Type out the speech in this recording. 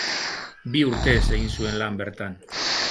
Bi urtez egin zuen lan bertan.